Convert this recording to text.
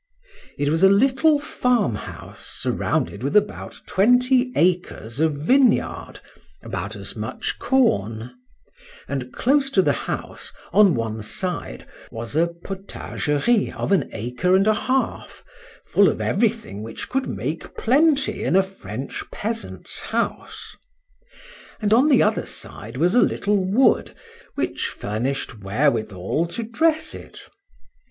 —It was a little farm house, surrounded with about twenty acres of vineyard, about as much corn;—and close to the house, on one side, was a potagerie of an acre and a half, full of everything which could make plenty in a French peasant's house;—and, on the other side, was a little wood, which furnished wherewithal to dress it.